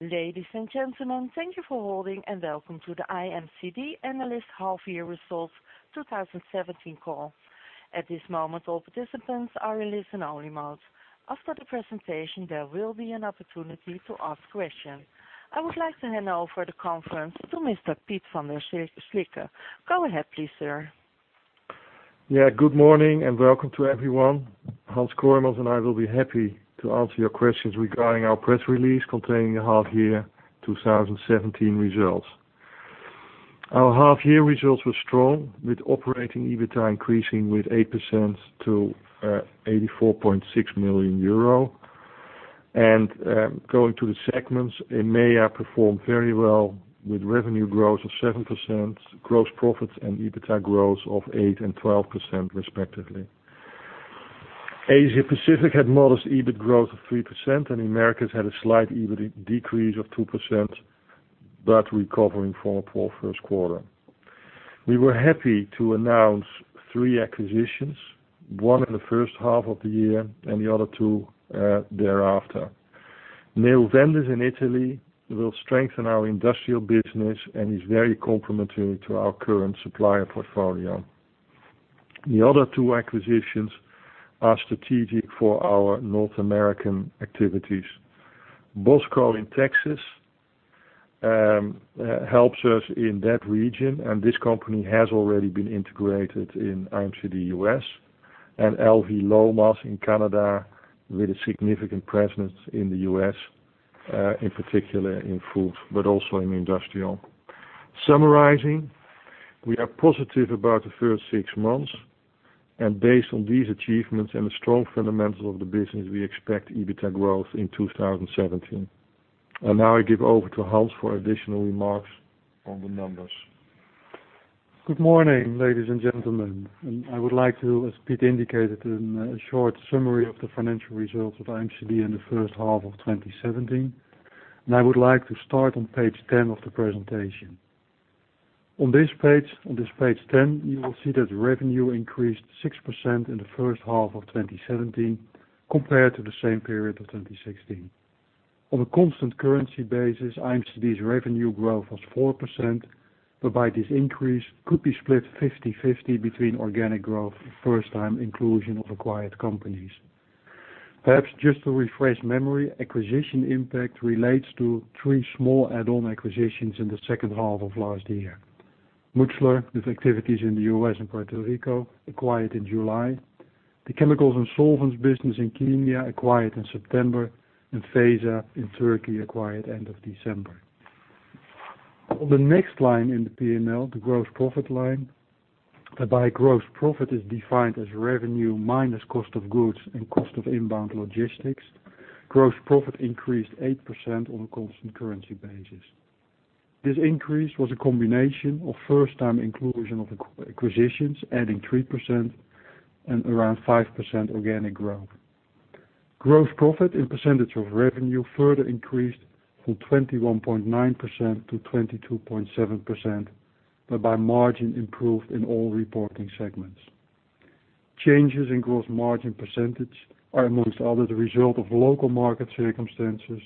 Ladies and gentlemen, thank you for holding and welcome to the IMCD Analyst Half Year Results 2017 call. At this moment, all participants are in listen-only mode. After the presentation, there will be an opportunity to ask questions. I would like to hand over the conference to Mr. Piet van der Slikke. Go ahead please, sir. Yeah. Good morning and welcome to everyone. Hans Kooijmans and I will be happy to answer your questions regarding our press release containing the half year 2017 results. Our half year results were strong, with operating EBITDA increasing with 8% to 84.6 million euro. Going to the segments, EMEA performed very well with revenue growth of 7%, gross profits and EBITDA growth of 8% and 12% respectively. Asia Pacific had modest EBIT growth of 3% and Americas had a slight EBIT decrease of 2%, but recovering from a poor first quarter. We were happy to announce three acquisitions, one in the first half of the year and the other two thereafter. Neuvendis in Italy will strengthen our industrial business and is very complementary to our current supplier portfolio. The other two acquisitions are strategic for our North American activities. Bossco in Texas helps us in that region, and this company has already been integrated in IMCD U.S. L.V. Lomas in Canada with a significant presence in the U.S., in particular in food, but also in industrial. Summarizing, we are positive about the first six months and based on these achievements and the strong fundamentals of the business, we expect EBITDA growth in 2017. Now I give over to Hans for additional remarks on the numbers. Good morning, ladies and gentlemen. As Piet indicated, a short summary of the financial results of IMCD in the first half of 2017, and I would like to start on page 10 of the presentation. On this page 10, you will see that revenue increased 6% in the first half of 2017 compared to the same period of 2016. On a constant currency basis, IMCD's revenue growth was 4%, whereby this increase could be split 50/50 between organic growth, first time inclusion of acquired companies. Perhaps just to refresh memory, acquisition impact relates to three small add-on acquisitions in the second half of last year. Mutchler, with activities in the U.S. and Puerto Rico, acquired in July. The chemicals and solvents business in Kenya, acquired in September, and Feza in Turkey acquired end of December. On the next line in the P&L, the gross profit line, whereby gross profit is defined as revenue minus cost of goods and cost of inbound logistics. Gross profit increased 8% on a constant currency basis. This increase was a combination of first time inclusion of acquisitions, adding 3% and around 5% organic growth. Gross profit in percentage of revenue further increased from 21.9% to 22.7%, whereby margin improved in all reporting segments. Changes in gross margin percentage are, amongst others, a result of local market circumstances,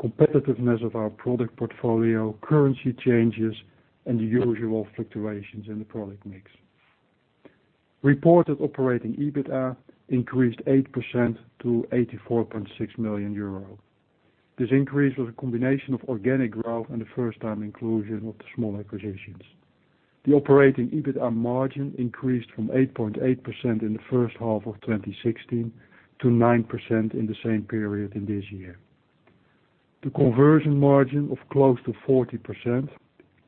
competitiveness of our product portfolio, currency changes, and the usual fluctuations in the product mix. Reported operating EBITDA increased 8% to 84.6 million euro. This increase was a combination of organic growth and the first time inclusion of the small acquisitions. The operating EBITDA margin increased from 8.8% in the first half of 2016 to 9% in the same period in this year. The conversion margin of close to 40%,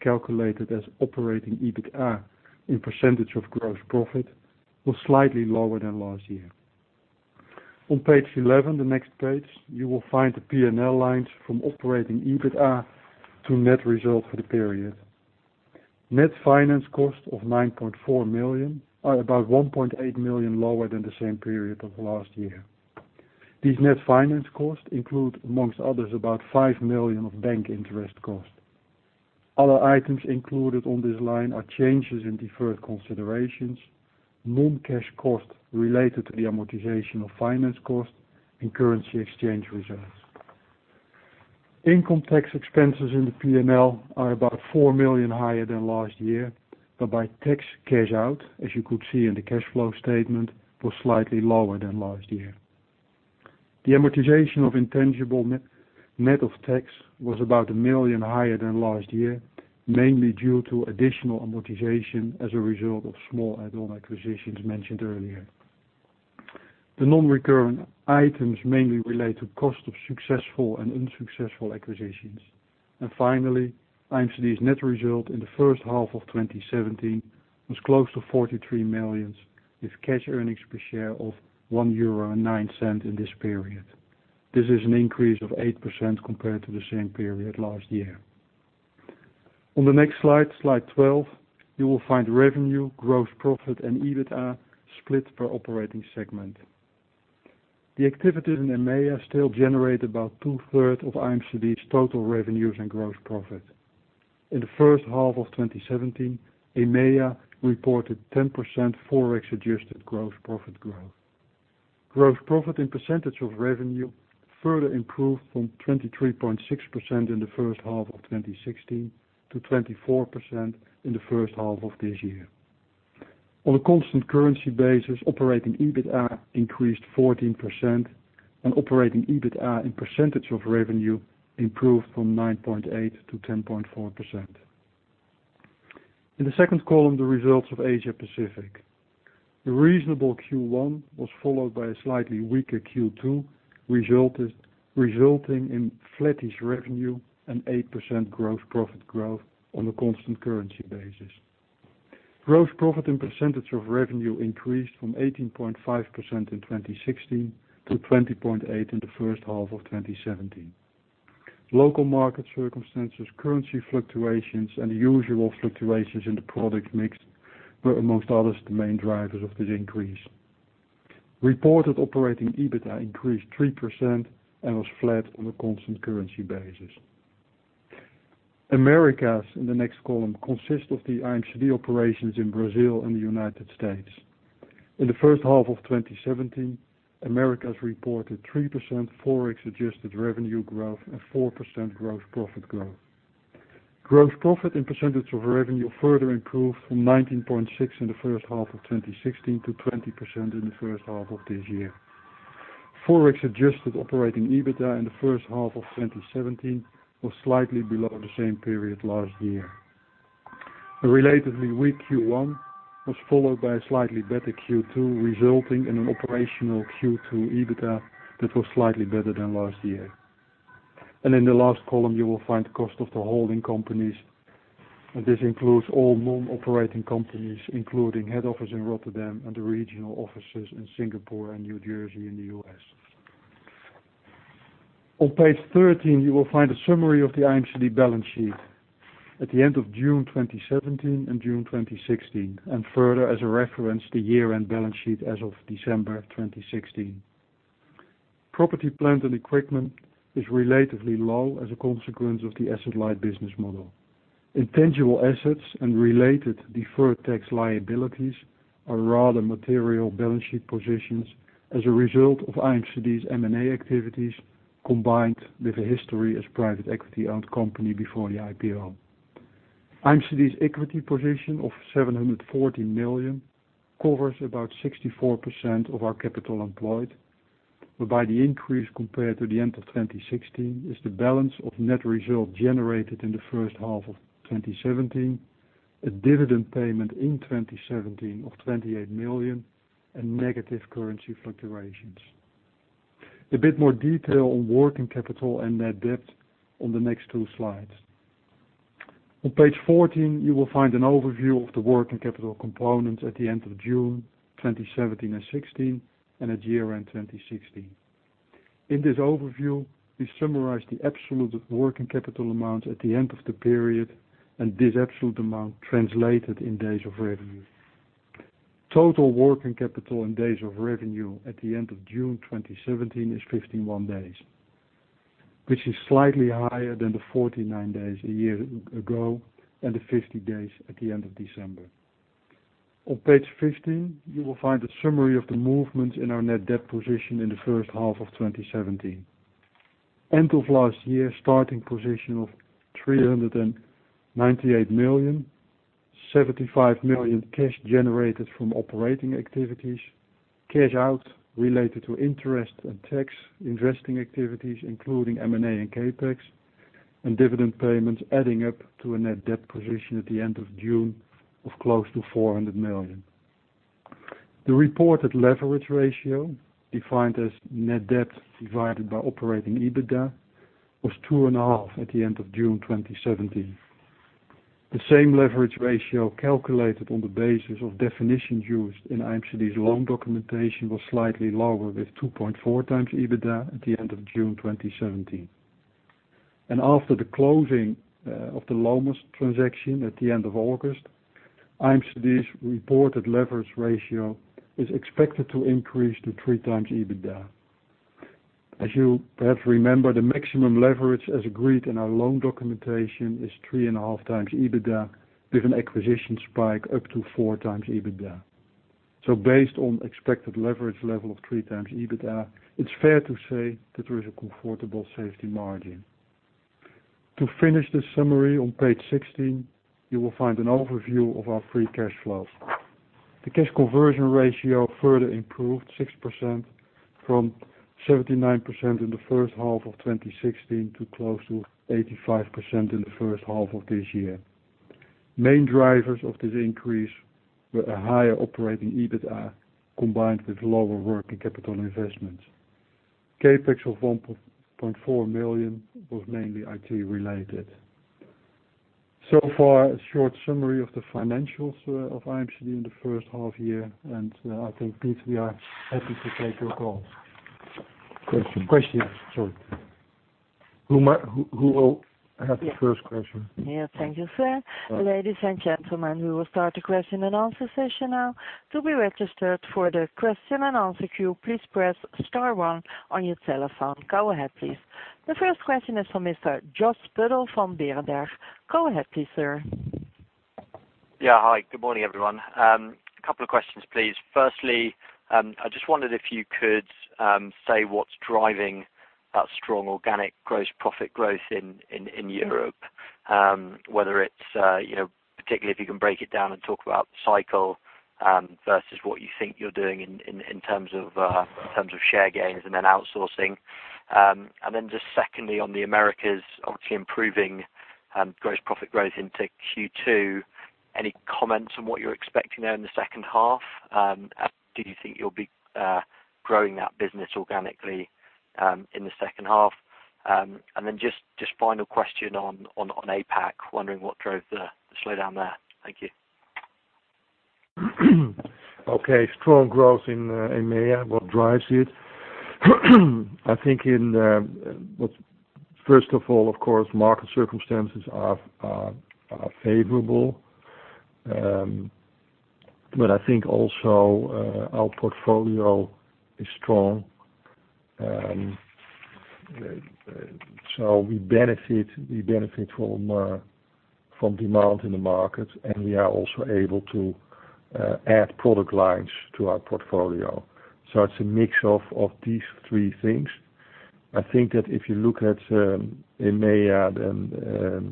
calculated as operating EBITDA in percentage of gross profit, was slightly lower than last year. On page 11, the next page, you will find the P&L lines from operating EBITDA to net result for the period. Net finance cost of 9.4 million are about 1.8 million lower than the same period of last year. These net finance costs include, amongst others, about 5 million of bank interest costs. Other items included on this line are changes in deferred considerations, non-cash costs related to the amortization of finance costs and currency exchange results. Income tax expenses in the P&L are about 4 million higher than last year, whereby tax cash out, as you could see in the cash flow statement, was slightly lower than last year. The amortization of intangible net of tax was about 1 million higher than last year, mainly due to additional amortization as a result of small add-on acquisitions mentioned earlier. The non-recurrent items mainly relate to cost of successful and unsuccessful acquisitions. IMCD's net result in the first half of 2017 was close to 43 million, with cash earnings per share of 1.09 euro in this period. This is an increase of 8% compared to the same period last year. On the next slide 12, you will find revenue, gross profit and EBITDA split per operating segment. The activities in EMEA still generate about two-third of IMCD's total revenues and gross profit. In the first half of 2017, EMEA reported 10% Forex-adjusted gross profit growth. Gross profit and percentage of revenue further improved from 23.6% in the first half of 2016 to 24% in the first half of this year. On a constant currency basis, operating EBITDA increased 14% and operating EBITDA in percentage of revenue improved from 9.8% to 10.4%. In the second column, the results of Asia Pacific. A reasonable Q1 was followed by a slightly weaker Q2, resulting in flattish revenue and 8% gross profit growth on a constant currency basis. Gross profit and percentage of revenue increased from 18.5% in 2016 to 20.8% in the first half of 2017. Local market circumstances, currency fluctuations, and the usual fluctuations in the product mix were, amongst others, the main drivers of this increase. Reported operating EBITDA increased 3% and was flat on a constant currency basis. Americas, in the next column, consists of the IMCD operations in Brazil and the U.S. In the first half of 2017, Americas reported 3% Forex-adjusted revenue growth and 4% gross profit growth. Gross profit and percentage of revenue further improved from 19.6% in the first half of 2016 to 20% in the first half of this year. Forex-adjusted operating EBITDA in the first half of 2017 was slightly below the same period last year. A relatively weak Q1 was followed by a slightly better Q2, resulting in an operational Q2 EBITDA that was slightly better than last year. In the last column, you will find the cost of the holding companies, and this includes all non-operating companies, including head office in Rotterdam and the regional offices in Singapore and New Jersey in the U.S. On page 13, you will find a summary of the IMCD balance sheet at the end of June 2017 and June 2016, and further, as a reference, the year-end balance sheet as of December 2016. Property, plant, and equipment is relatively low as a consequence of the asset-light business model. Intangible assets and related deferred tax liabilities are rather material balance sheet positions as a result of IMCD's M&A activities, combined with a history as private equity-owned company before the IPO. IMCD's equity position of 740 million covers about 64% of our capital employed, whereby the increase compared to the end of 2016 is the balance of net result generated in the first half of 2017, a dividend payment in 2017 of 28 million, and negative currency fluctuations. A bit more detail on working capital and net debt on the next two slides. On page 14, you will find an overview of the working capital components at the end of June 2017 and '16, and at year-end 2016. In this overview, we summarize the absolute working capital amount at the end of the period and this absolute amount translated in days of revenue. Total working capital and days of revenue at the end of June 2017 is 51 days, which is slightly higher than the 49 days a year ago and the 50 days at the end of December. On page 15, you will find a summary of the movements in our net debt position in the first half of 2017. End of last year, starting position of 398 million, 75 million cash generated from operating activities, cash out related to interest and tax, investing activities, including M&A and CapEx, and dividend payments adding up to a net debt position at the end of June of close to 400 million. The reported leverage ratio, defined as net debt divided by operating EBITDA, was 2.5 at the end of June 2017. The same leverage ratio calculated on the basis of definitions used in IMCD's loan documentation was slightly lower, with 2.4x EBITDA at the end of June 2017. After the closing of the Lomas transaction at the end of August, IMCD's reported leverage ratio is expected to increase to 3x EBITDA. As you perhaps remember, the maximum leverage as agreed in our loan documentation is 3.5x EBITDA, with an acquisition spike up to 4x EBITDA. Based on expected leverage level of 3x EBITDA, it's fair to say that there is a comfortable safety margin. To finish the summary, on page 16, you will find an overview of our free cash flow. The cash conversion ratio further improved 6% from 79% in the first half of 2016 to close to 85% in the first half of this year. Main drivers of this increase were a higher operating EBITDA combined with lower working capital investments. CapEx of 1.4 million was mainly IT related. Far, a short summary of the financials of IMCD in the first half year, and I think, Piet, we are happy to take your calls. Questions. Questions. Sorry. Who will have the first question? Thank you, sir. Ladies and gentlemen, we will start the question and answer session now. To be registered for the question and answer queue, please press star one on your telephone. Go ahead, please. The first question is from Mr. Joost van den Bussche from Berenberg. Go ahead, please, sir. Hi, good morning, everyone. A couple of questions, please. Firstly, I just wondered if you could say what's driving that strong organic gross profit growth in Europe, whether it's particularly if you can break it down and talk about the cycle versus what you think you're doing in terms of share gains and then outsourcing. Secondly, on the Americas, obviously improving gross profit growth into Q2. Any comments on what you're expecting there in the second half? Do you think you'll be growing that business organically in the second half? Final question on APAC, wondering what drove the slowdown there. Thank you. Okay. Strong growth in EMEA, what drives it? I think first of all, of course, market circumstances are favorable. I think also our portfolio is strong. We benefit from demand in the market, and we are also able to add product lines to our portfolio. It's a mix of these three things. I think that if you look at EMEA,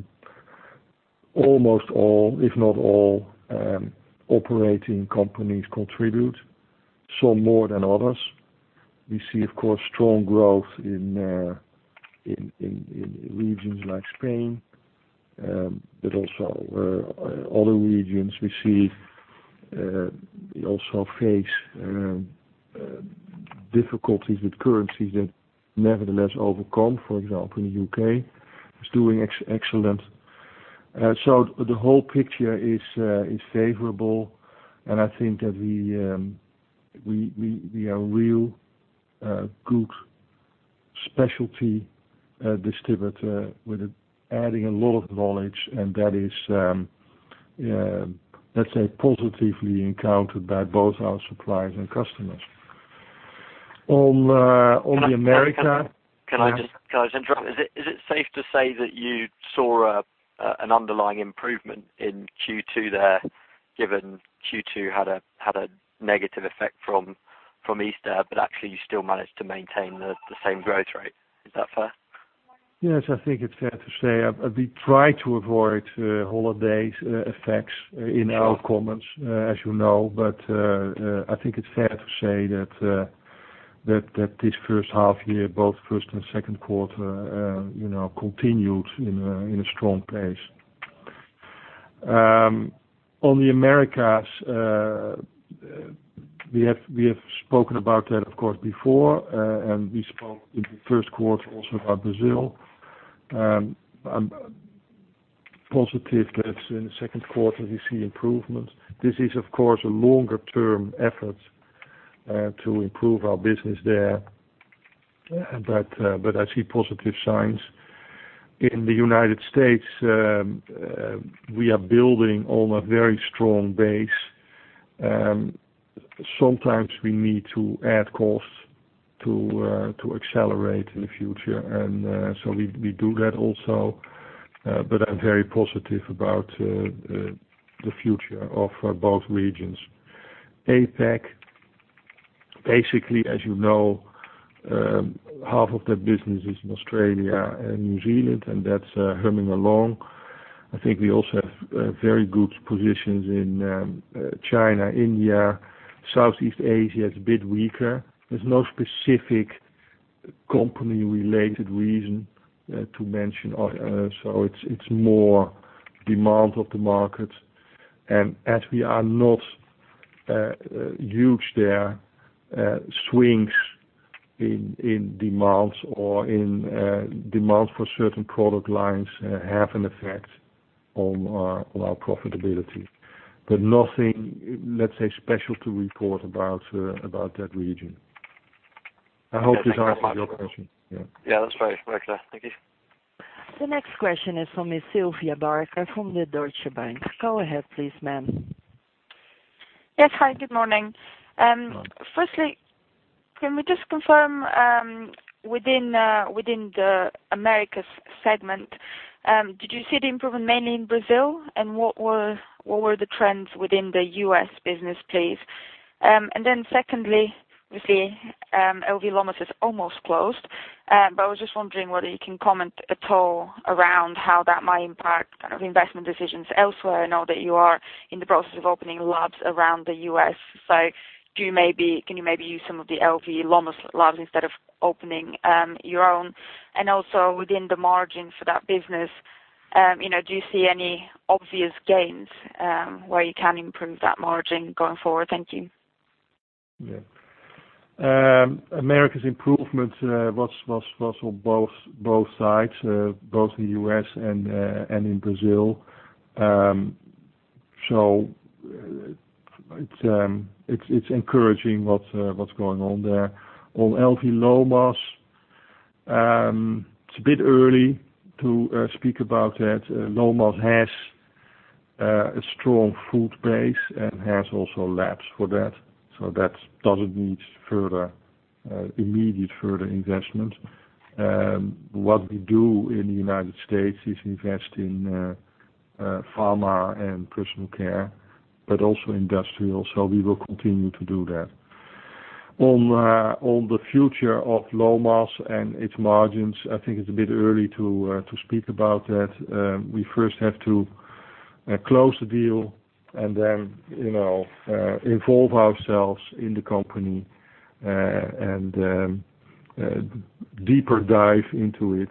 almost all, if not all, operating companies contribute, some more than others. We see, of course, strong growth in regions like Spain. Also other regions, we see also face difficulties with currencies that nevertheless overcome. For example, the U.K. is doing excellent. The whole picture is favorable, and I think that we are a real good specialty distributor adding a lot of knowledge, and that is, let's say, positively encountered by both our suppliers and customers. On the America- Can I just interrupt? Is it safe to say that you saw an underlying improvement in Q2 there, given Q2 had a negative effect from Easter, but actually you still managed to maintain the same growth rate? Is that fair? Yes, I think it's fair to say. We try to avoid holiday effects in our comments, as you know. I think it's fair to say that this first half year, both first and second quarter, continued in a strong pace. On the Americas, we have spoken about that, of course, before, and we spoke in the first quarter also about Brazil. I'm positive that in the second quarter we see improvements. This is, of course, a longer-term effort to improve our business there. I see positive signs. In the U.S., we are building on a very strong base. Sometimes we need to add costs to accelerate in the future. We do that also, but I'm very positive about the future of both regions. APAC, basically, as you know, half of that business is in Australia and New Zealand, and that's humming along. I think we also have very good positions in China, India. Southeast Asia is a bit weaker. There's no specific company-related reason to mention. It's more demand of the market. As we are not huge there, swings in demands or in demand for certain product lines have an effect on our profitability. Nothing, let's say, special to report about that region. I hope this answers your question. Yeah, that's very clear. Thank you. The next question is from Miss Sylvia Barker from the Deutsche Bank. Go ahead, please, ma'am. Yes. Hi, good morning. Good morning. Firstly, can we just confirm within the Americas segment, did you see the improvement mainly in Brazil, and what were the trends within the U.S. business, please? Secondly, obviously, L.V. Lomas is almost closed. I was just wondering whether you can comment at all around how that might impact investment decisions elsewhere now that you are in the process of opening labs around the U.S. Can you maybe use some of the L.V. Lomas labs instead of opening your own? Also within the margin for that business, do you see any obvious gains where you can improve that margin going forward? Thank you. Americas improvement was on both sides, both the U.S. and in Brazil. It's encouraging what's going on there. On L.V. Lomas, it's a bit early to speak about that. Lomas has a strong food base and has also labs for that. That doesn't need immediate further investment. What we do in the United States is invest in pharma and personal care, but also industrial. We will continue to do that. On the future of Lomas and its margins, I think it's a bit early to speak about that. We first have to close the deal and then involve ourselves in the company and deeper dive into it.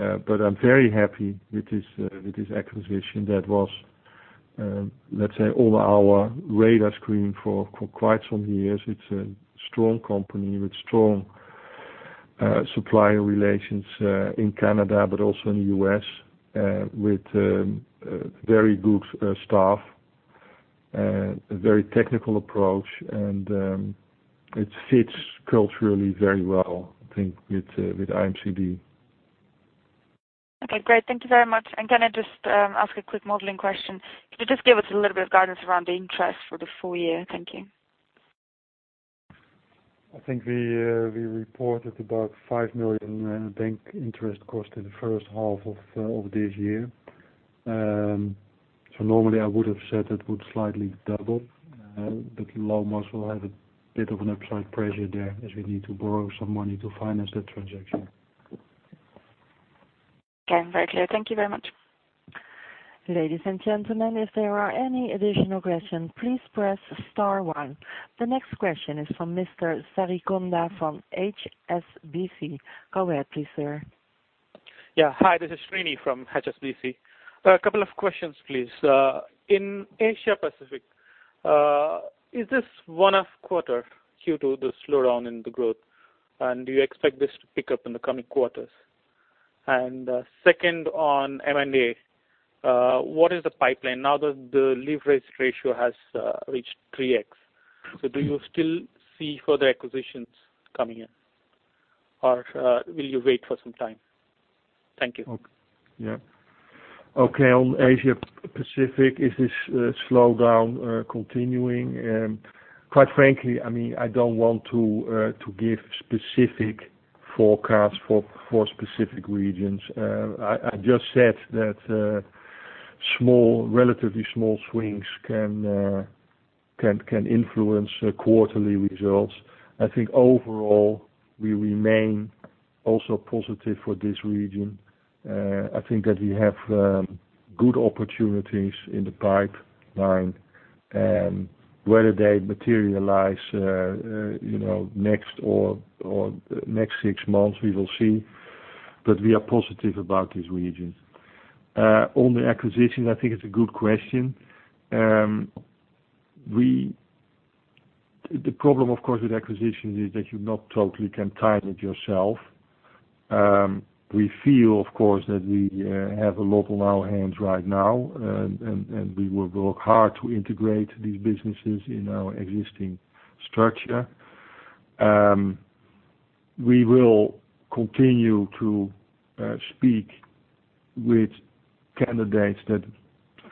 I'm very happy with this acquisition that was, let's say, on our radar screen for quite some years. It's a strong company with strong supplier relations in Canada, but also in the U.S., with very good staff, a very technical approach, and it fits culturally very well, I think, with IMCD. Thank you very much. Can I just ask a quick modeling question? Could you just give us a little bit of guidance around the interest for the full year? Thank you. I think we reported about 5 million in bank interest cost in the first half of this year. Normally I would have said it would slightly double, Lomas will have a bit of an upside pressure there as we need to borrow some money to finance that transaction. Okay. Very clear. Thank you very much. Ladies and gentlemen, if there are any additional questions, please press star one. The next question is from Mr. Sarikonda from HSBC. Go ahead, please, sir. Yeah. Hi, this is Srini from HSBC. A couple of questions, please. In Asia Pacific, is this one-off quarter due to the slowdown in the growth, do you expect this to pick up in the coming quarters? Second on M&A, what is the pipeline now that the leverage ratio has reached 3x? Do you still see further acquisitions coming in, or will you wait for some time? Thank you. Okay. On Asia Pacific, is this slowdown continuing? Quite frankly, I don't want to give specific forecasts for specific regions. I just said that relatively small swings can influence quarterly results. I think overall, we remain also positive for this region. I think that we have good opportunities in the pipeline and whether they materialize next or next six months, we will see, but we are positive about this region. On the acquisition, I think it's a good question. The problem, of course, with acquisitions is that you not totally can time it yourself. We feel, of course, that we have a lot on our hands right now, and we will work hard to integrate these businesses in our existing structure. We will continue to speak with candidates that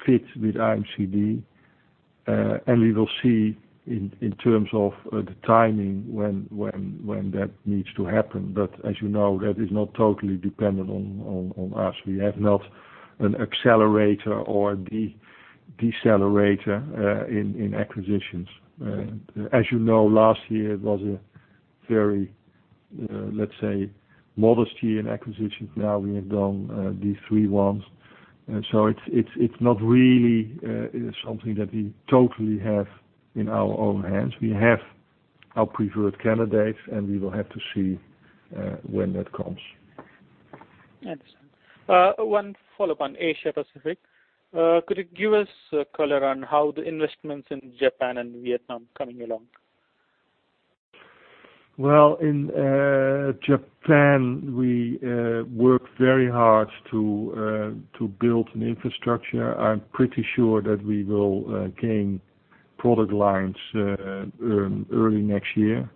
fit with IMCD, and we will see in terms of the timing when that needs to happen. As you know, that is not totally dependent on us. We have not an accelerator or a decelerator in acquisitions. As you know, last year was a very, let's say, modesty in acquisitions. Now we have done these three ones. It's not really something that we totally have in our own hands. We have our preferred candidates, and we will have to see when that comes. I understand. One follow-up on Asia Pacific. Could you give us color on how the investments in Japan and Vietnam coming along? Well, in Japan, we work very hard to build an infrastructure. I'm pretty sure that we will gain product lines early next year,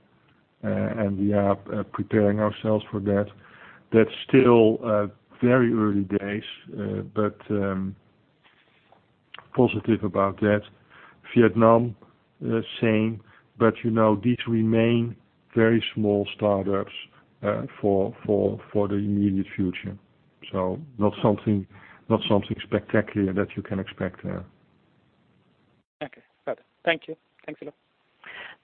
and we are preparing ourselves for that. That's still very early days, but positive about that. Vietnam, same, but these remain very small startups for the immediate future. Not something spectacular that you can expect there. Okay. Got it. Thank you. Thanks a lot.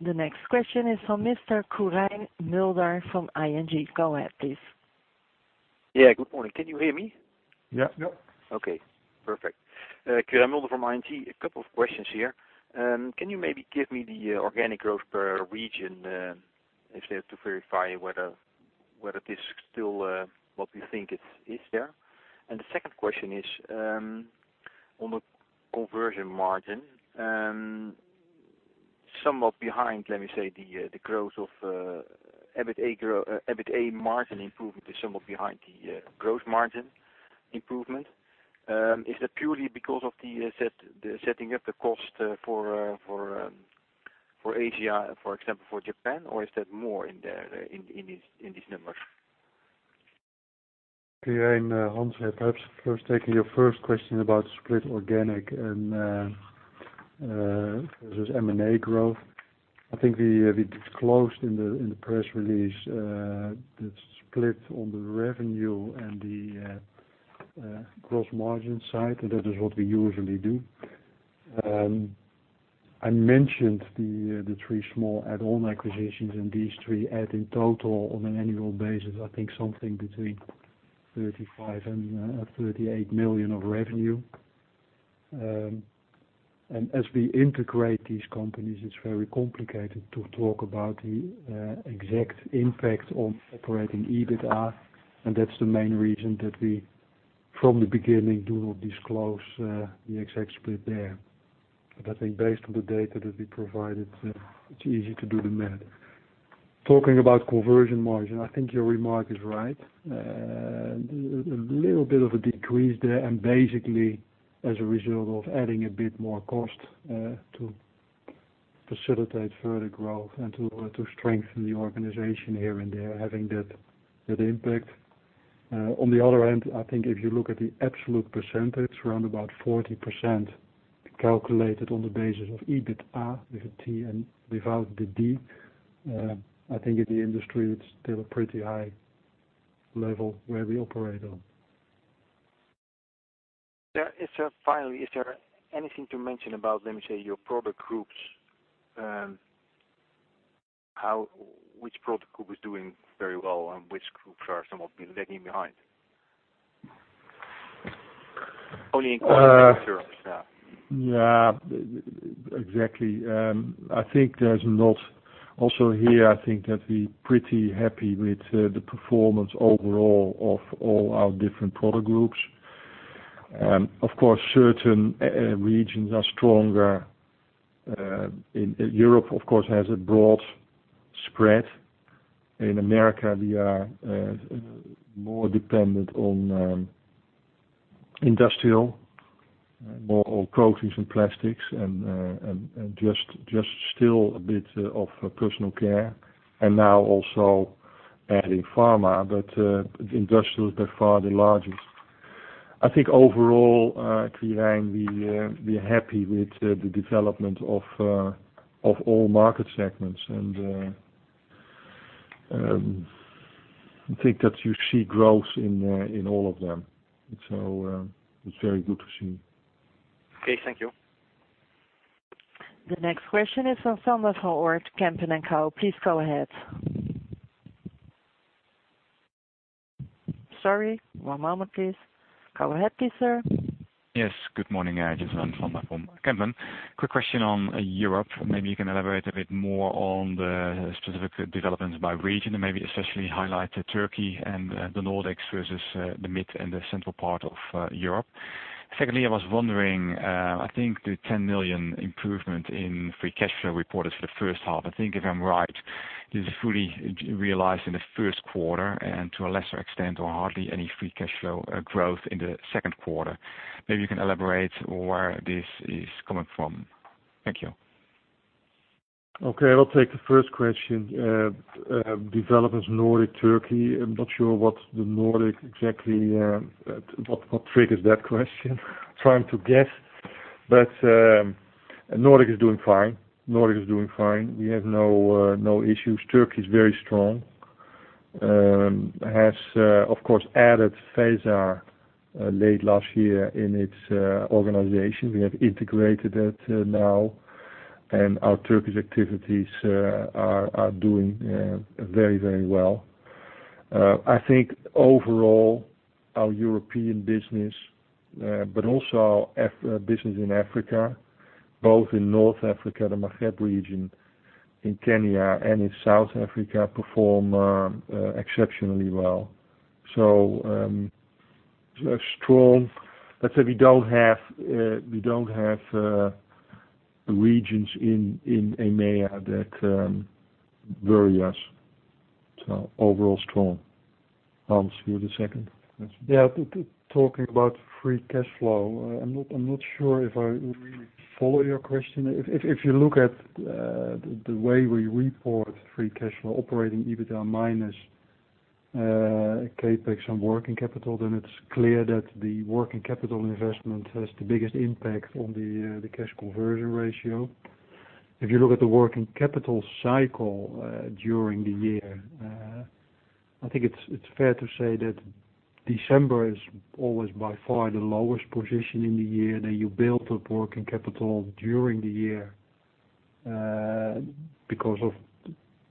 The next question is from Mr. Quirijn Mulder from ING. Go ahead, please. Yeah, good morning. Can you hear me? Yeah. Yep. Okay, perfect. Quirijn Mulder from ING. A couple of questions here. Can you maybe give me the organic growth per region, if there to verify whether this still what we think is there? The second question is, on the conversion margin, somewhat behind, let me say, the growth of EBITDA margin improvement is somewhat behind the growth margin improvement. Is that purely because of the setting up the cost for Asia, for example, for Japan, or is there more in these numbers? Okay. Hans, perhaps first taking your first question about split organic versus M&A growth. We disclosed in the press release, the split on the revenue and the gross margin side, that is what we usually do. I mentioned the three small add-on acquisitions and these three add in total on an annual basis, something between 35 million and 38 million of revenue. As we integrate these companies, it's very complicated to talk about the exact impact on operating EBITDA, that's the main reason that we, from the beginning, do not disclose the exact split there. Based on the data that we provided, it's easy to do the math. Talking about conversion margin, your remark is right. A little bit of a decrease there, basically as a result of adding a bit more cost, to facilitate further growth and to strengthen the organization here and there, having that impact. On the other end, if you look at the absolute percentage, around about 40% calculated on the basis of EBITDA with a T and without the D, in the industry it's still a pretty high level where we operate on. Is there anything to mention about, let me say, your product groups? Which product group is doing very well and which groups are somewhat been lagging behind? Only in Europe. Yeah. Exactly. Here, we're pretty happy with the performance overall of all our different product groups. Certain regions are stronger. Europe has a broad spread. In the U.S., we are more dependent on industrial, more coatings and plastics and just still a bit of personal care, now also adding pharma. Industrial is by far the largest. Overall, we are happy with the development of all market segments and you see growth in all of them. It's very good to see. Okay. Thank you. The next question is from Sander van Hoorn from Kempen & Co. Please go ahead. Sorry, one moment, please. Go ahead, please, sir. Yes. Good morning. It is Sander van Hoorn from Kempen. Quick question on Europe. Maybe you can elaborate a bit more on the specific developments by region, and maybe especially highlight Turkey and the Nordics versus the mid and the central part of Europe. Secondly, I was wondering, I think the 10 million improvement in free cash flow reported for the first half. I think if I am right, it is fully realized in the first quarter and to a lesser extent or hardly any free cash flow growth in the second quarter. Maybe you can elaborate where this is coming from. Thank you. Okay. I will take the first question, developments Nordic, Turkey. I am not sure what is the Nordic exactly. What triggers that question? Trying to guess, but Nordic is doing fine. We have no issues. Turkey is very strong. Has, of course, added Feza Kimya late last year in its organization. We have integrated that now, and our Turkish activities are doing very well. I think overall, our European business, but also our business in Africa, both in North Africa, the Maghreb region, in Kenya, and in South Africa, perform exceptionally well. Let's say we do not have regions in EMEA that worry us. Overall strong. Hans, you have the second question. Talking about free cash flow, I am not sure if I really follow your question. If you look at the way we report free cash flow, operating EBITDA minus CapEx and working capital, then it is clear that the working capital investment has the biggest impact on the cash conversion ratio. If you look at the working capital cycle, during the year, I think it is fair to say that December is always by far the lowest position in the year. You build up working capital during the year, because of,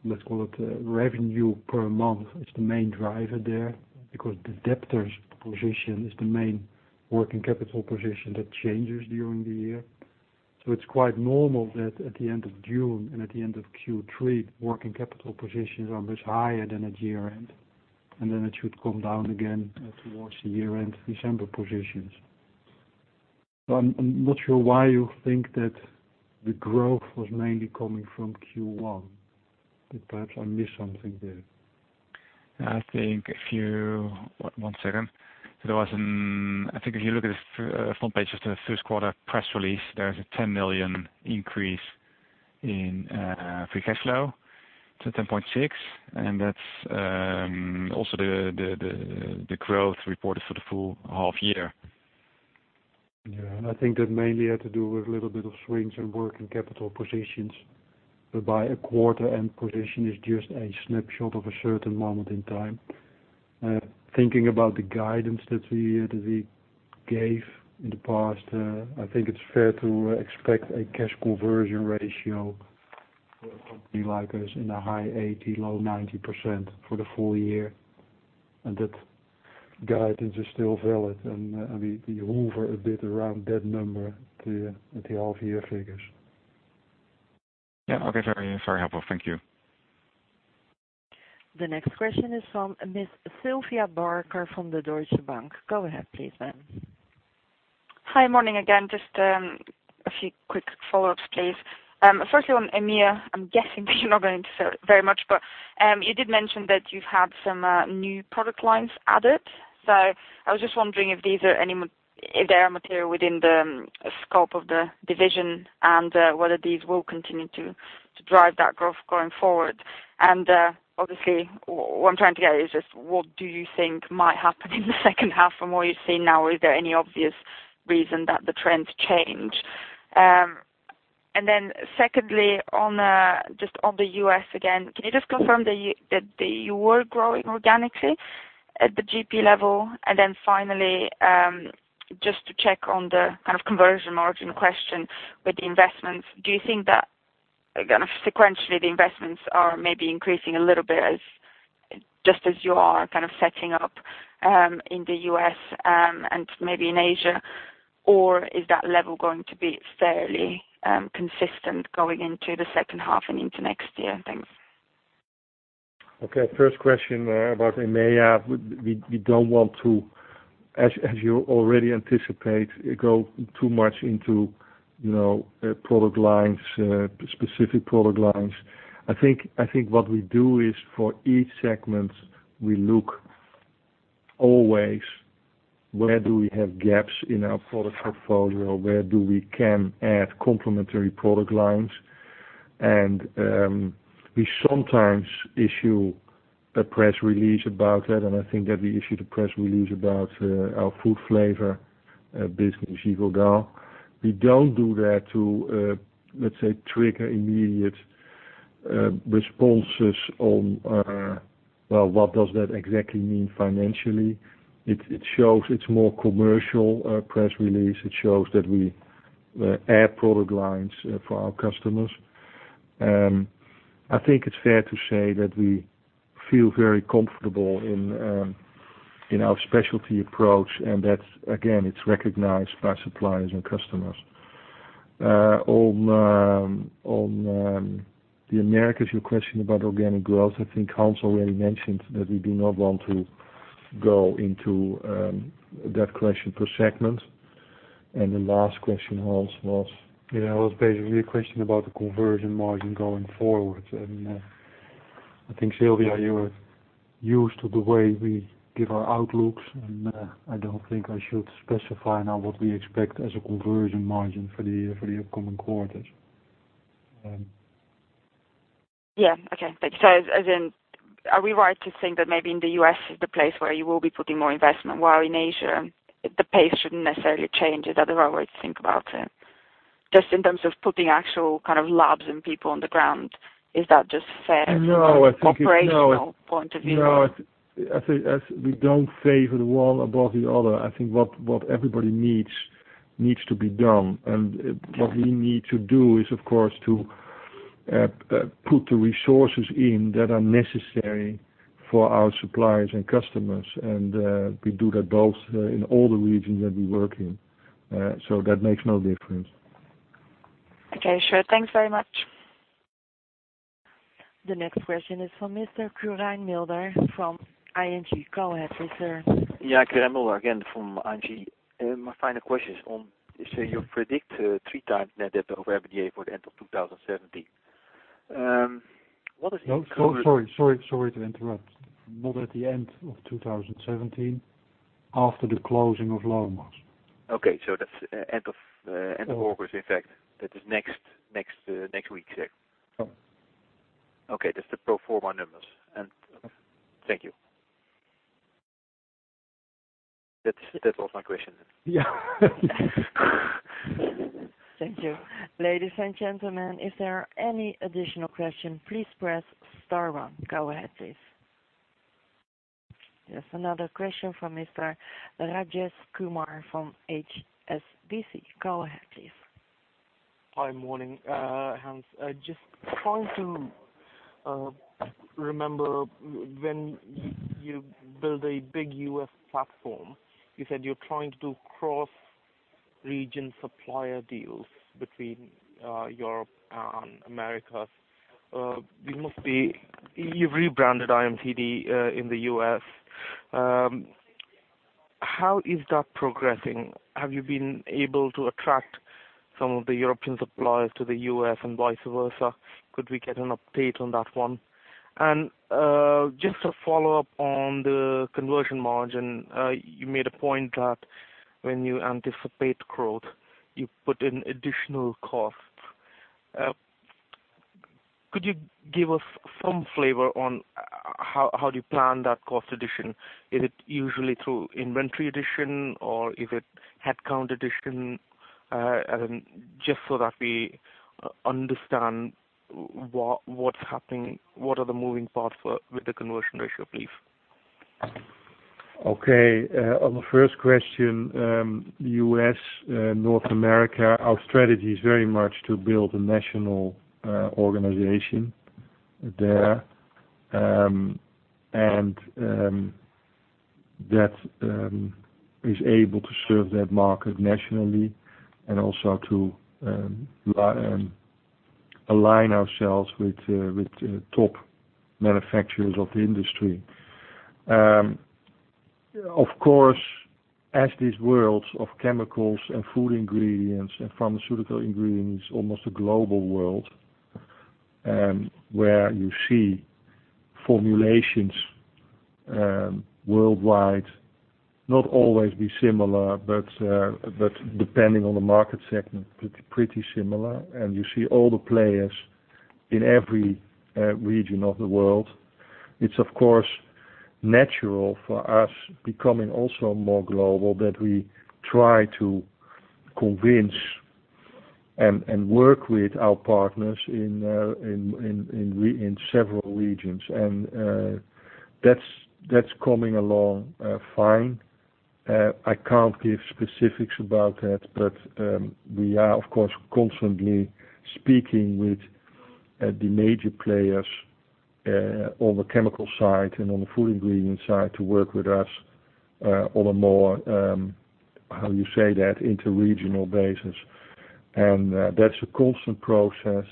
let's call it, revenue per month is the main driver there because the debtors' position is the main working capital position that changes during the year. It is quite normal that at the end of June and at the end of Q3, working capital positions are much higher than at year-end, and then it should come down again towards the year-end December positions. I am not sure why you think that the growth was mainly coming from Q1. Perhaps I missed something there. I think if you One second. I think if you look at the front page of the first quarter press release, there's a 10 million increase In free cash flow to 10.6, that's also the growth reported for the full half year. Yeah. I think that mainly had to do with a little bit of swings in working capital positions by a quarter and position is just a snapshot of a certain moment in time. Thinking about the guidance that we gave in the past, I think it's fair to expect a cash conversion ratio for a company like us in the high 80%, low 90% for the full year, and that guidance is still valid, and we hover a bit around that number at the half year figures. Yeah. Okay. Very helpful. Thank you. The next question is from Miss Sylvia Barker from the Deutsche Bank. Go ahead, please, ma'am. Hi. Morning again. Just a few quick follow-ups, please. Firstly on EMEA, I'm guessing that you're not going to say very much, you did mention that you've had some new product lines added. I was just wondering if they are material within the scope of the division and whether these will continue to drive that growth going forward. Obviously what I'm trying to get at is just what do you think might happen in the second half from what you've seen now? Is there any obvious reason that the trends change? Secondly, just on the U.S. again, can you just confirm that you were growing organically at the GP level? Finally, just to check on the conversion margin question with the investments, do you think that, again, sequentially, the investments are maybe increasing a little bit just as you are setting up in the U.S. and maybe in Asia? Or is that level going to be fairly consistent going into the second half and into next year? Thanks. Okay. First question about EMEA. We don't want to, as you already anticipate, go too much into specific product lines. I think what we do is for each segment, we look always where do we have gaps in our product portfolio, where we can add complementary product lines. We sometimes issue a press release about that, and I think that we issued a press release about our food flavor business, Givaudan. We don't do that to, let's say, trigger immediate responses on, well, what does that exactly mean financially? It's more commercial press release. It shows that we add product lines for our customers. I think it's fair to say that we feel very comfortable in our specialty approach and that, again, it's recognized by suppliers and customers. On the Americas, your question about organic growth, I think Hans already mentioned that we do not want to go into that question per segment. The last question, Hans, was? Yeah, it was basically a question about the conversion margin going forward. I think, Sylvia, you are used to the way we give our outlooks, and I don't think I should specify now what we expect as a conversion margin for the upcoming quarters. Yeah. Okay. Thank you. Are we right to think that maybe in the U.S. is the place where you will be putting more investment, while in Asia the pace shouldn't necessarily change? Is that the right way to think about it? Just in terms of putting actual labs and people on the ground. Is that just fair- No from an operational point of view? No, we don't favor one above the other. I think what everybody needs to be done. What we need to do is, of course, to put the resources in that are necessary for our suppliers and customers. We do that both in all the regions that we work in. That makes no difference. Okay, sure. Thanks very much. The next question is from Mr. Quirijn Mulder from ING. Go ahead, please, sir. Quirijn Mulder again from ING. My final question is on, you say you predict 3x net debt over EBITDA for the end of 2017. What is the- No, sorry to interrupt. Not at the end of 2017, after the closing of L.V. Lomas. Okay. That's end of August. In fact, that is next week. Correct. Okay. That's the pro forma numbers. Thank you. That's all my questions then. Yeah. Thank you. Ladies and gentlemen, if there are any additional question, please press star one. Go ahead, please. There's another question from Mr. Rajesh Kumar from HSBC. Go ahead, please. Hi. Morning. Hans, just trying to remember when you build a big U.S. platform, you said you're trying to do cross-region supplier deals between Europe and Americas. You've rebranded IMCD in the U.S. How is that progressing? Have you been able to attract some of the European suppliers to the U.S. and vice versa? Could we get an update on that one? Just a follow-up on the conversion margin. You made a point that when you anticipate growth, you put in additional costs. Could you give us some flavor on how do you plan that cost addition? Is it usually through inventory addition or is it headcount addition? Just so that we understand what's happening, what are the moving parts with the conversion ratio, please. On the first question, U.S., North America, our strategy is very much to build a national organization there, and that is able to serve that market nationally, and also to align ourselves with top manufacturers of the industry. Of course, as these worlds of chemicals and food ingredients and pharmaceutical ingredients, almost a global world, where you see formulations worldwide not always be similar, but depending on the market segment, pretty similar. You see all the players in every region of the world. It's of course natural for us becoming also more global that we try to convince and work with our partners in several regions. That's coming along fine. I can't give specifics about that. We are, of course, constantly speaking with the major players on the chemical side and on the food ingredients side to work with us on a more, how you say that, interregional basis. That's a constant process,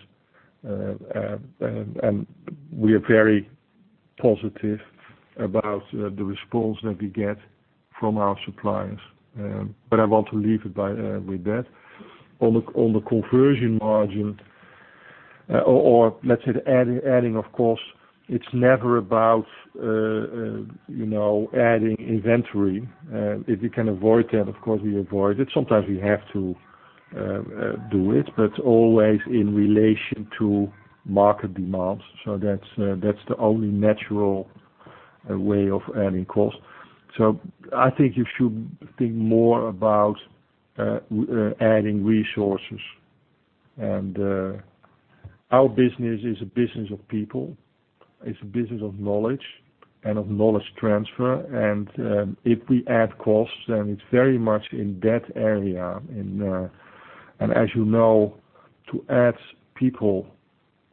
and we are very positive about the response that we get from our suppliers. I want to leave it with that. On the conversion margin, or let's say the adding of cost, it's never about adding inventory. If we can avoid that, of course, we avoid it. Sometimes we have to do it, but always in relation to market demands. That's the only natural way of adding cost. I think you should think more about adding resources. Our business is a business of people. It's a business of knowledge and of knowledge transfer. If we add costs, then it's very much in that area. As you know, to add people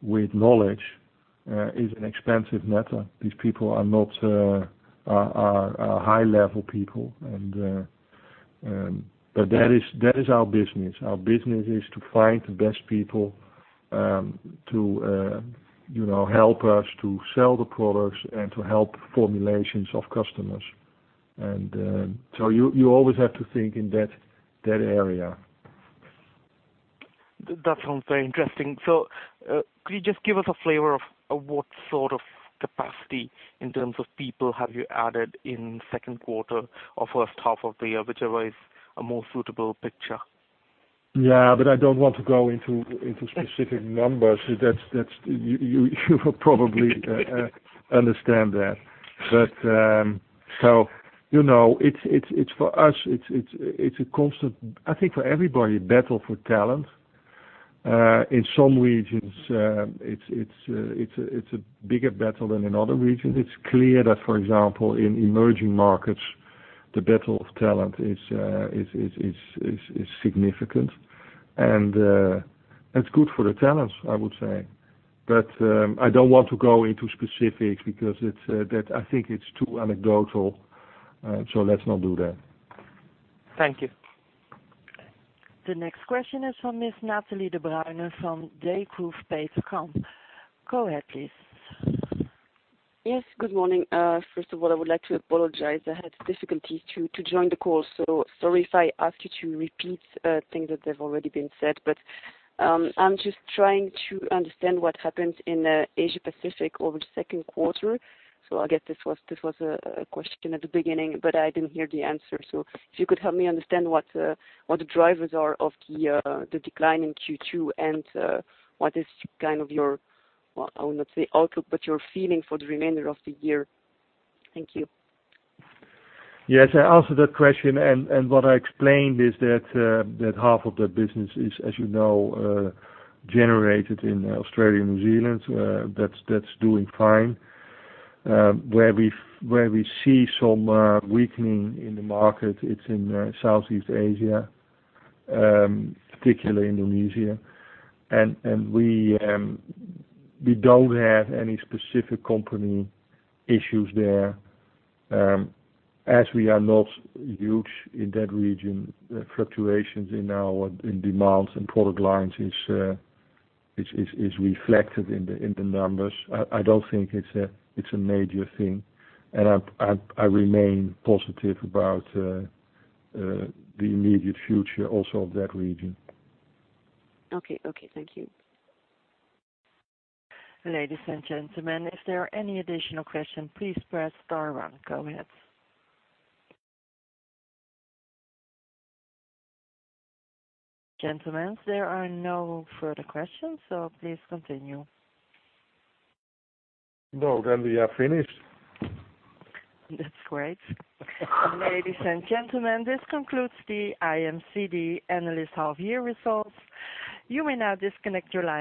with knowledge is an expensive matter. These people are high-level people. That is our business. Our business is to find the best people to help us to sell the products and to help formulations of customers. You always have to think in that area. That sounds very interesting. Could you just give us a flavor of what sort of capacity in terms of people have you added in second quarter or first half of the year, whichever is a more suitable picture? Yeah, I don't want to go into specific numbers. You will probably understand that. For us, it's a constant, I think for everybody, a battle for talent. In some regions, it's a bigger battle than in other regions. It's clear that, for example, in emerging markets, the battle of talent is significant. That's good for the talents, I would say. I don't want to go into specifics because I think it's too anecdotal, let's not do that. Thank you. The next question is from Miss Nathalie Debruyne from Degroof Petercam. Go ahead, please. Yes. Good morning. First of all, I would like to apologize. I had difficulties to join the call, so sorry if I ask you to repeat things that have already been said. I'm just trying to understand what happened in Asia-Pacific over the second quarter. I guess this was a question at the beginning, but I didn't hear the answer. If you could help me understand what the drivers are of the decline in Q2 and what is kind of your, well, I would not say outlook, but your feeling for the remainder of the year. Thank you. Yes, I answered that question, and what I explained is that half of that business is, as you know, generated in Australia and New Zealand. That's doing fine. Where we see some weakening in the market, it's in Southeast Asia, particularly Indonesia. We don't have any specific company issues there. As we are not huge in that region, fluctuations in demands and product lines is reflected in the numbers. I don't think it's a major thing. I remain positive about the immediate future also of that region. Okay. Thank you. Ladies and gentlemen, if there are any additional questions, please press star one. Go ahead. Gentlemen, there are no further questions, please continue. No, we are finished. That's great. Ladies and gentlemen, this concludes the IMCD analyst half-year results. You may now disconnect your line.